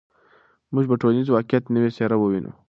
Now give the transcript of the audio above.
موږ به د ټولنیز واقعیت نوې څېره ووینو.